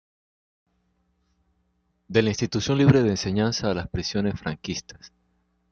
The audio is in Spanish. De la Institución Libre de Enseñanza a las prisiones franquistas.